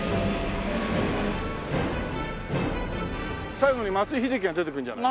最後に松井秀喜が出てくるんじゃない？